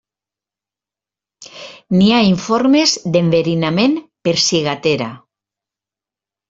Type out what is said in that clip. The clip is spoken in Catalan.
N'hi ha informes d'enverinament per ciguatera.